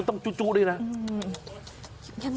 ต้องจุ๊บเลยนะ